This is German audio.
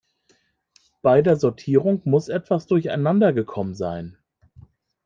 Bei der Sortierung muss etwas durcheinander gekommen sein.